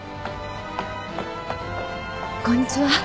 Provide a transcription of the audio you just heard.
こんにちは。